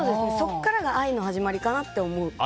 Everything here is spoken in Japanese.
そこからが愛の始まりかなって思う。